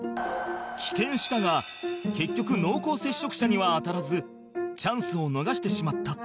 棄権したが結局濃厚接触者には当たらずチャンスを逃してしまった